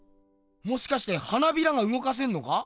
もしかして花びらがうごかせんのか？